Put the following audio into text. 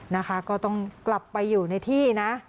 นะคะก็ต้องกลับไปอยู่ในที่นะ